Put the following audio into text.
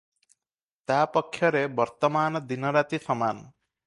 ତା’ ପକ୍ଷରେ ବର୍ତ୍ତମାନ ଦିନରାତି ସମାନ।